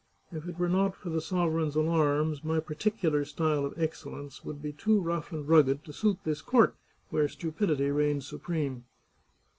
If it were not for the sovereign's alarms, my particular style of excellence would be too rough and rugged to suit this court, where stupidity reigns supreme.